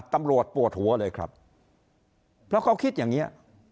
ตำรวจปวดหัวเลยครับเพราะเขาคิดอย่างนี้